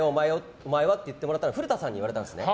お前はって言ってもらったのは古田さんに言われたんですね。